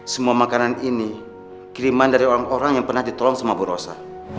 semua makanan ini kiriman dari orang orang yang pernah ditolong sama bu rosa